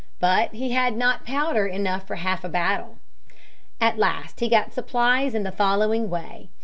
But he had not powder enough for half a battle. At last he got supplies in the following way.